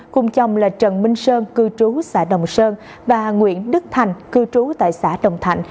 cùng chồng là trần minh sơn cư trú xã đồng sơn và nguyễn đức thành cư trú tại xã đồng thạnh